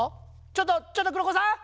ちょっとちょっとくろごさん